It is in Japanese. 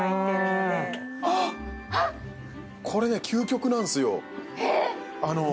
これね、究極なんですよ。